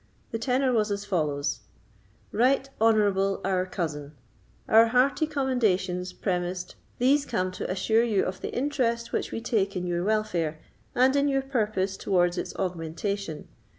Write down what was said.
The tenor was as follows: "RIGHT HONOURABLE OUR COUSIN: "Our hearty commendations premised, these come to assure you of the interest which we take in your welfare, and in your purpose towards its augmentation.